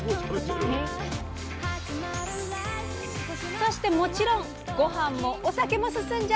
そしてもちろんごはんもお酒も進んじゃう！